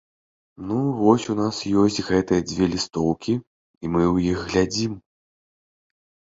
Ну, вось у нас ёсць гэтыя дзве лістоўкі, і мы ў іх глядзім.